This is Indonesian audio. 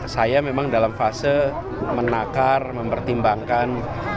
saya memang dalam fase menakar mempertimbangkan